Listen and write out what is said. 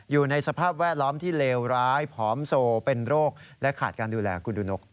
อยู่ในสภาพแวดล้อมที่เลวร้ายผอมโซเป็นโรคและขาดการดูแลคุณดูนก